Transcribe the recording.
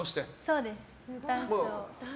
そうです。